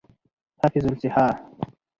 حفظی الصیحه